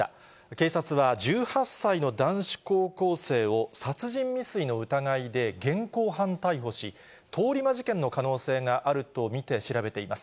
警察は１８歳の男子高校生を殺人未遂の疑いで現行犯逮捕し、通り魔事件の可能性があると見て調べています。